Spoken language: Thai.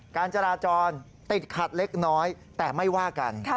การจราจรติดขัดเล็กน้อยแต่ไม่ว่ากัน